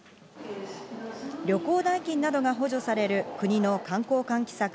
旅行代金などが補助される国の観光喚起策